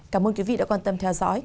cảm ơn quý vị đã quan tâm theo dõi